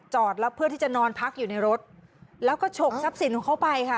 จอดแล้วเพื่อที่จะนอนพักอยู่ในรถแล้วก็ฉกทรัพย์สินของเขาไปค่ะ